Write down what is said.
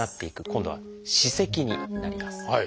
今度は「歯石」になります。